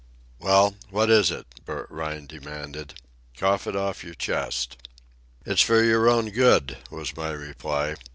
"Well, what is it?" Bert Rhine demanded. "Cough it off your chest." "It's for your own good," was my reply.